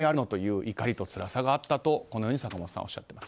また半年、これやるの？という怒りと辛さがあったとこのように坂本さんはおっしゃっています。